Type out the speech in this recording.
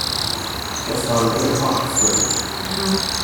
Just on eight o'clock, sir.